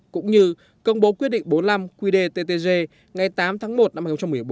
cũng như công bố quyết định bốn mươi năm qdttg ngày tám tháng một năm hai nghìn một mươi bốn